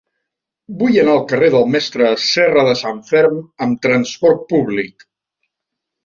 Vull anar al carrer del Mestre Serradesanferm amb trasport públic.